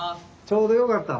ちょうどよかった。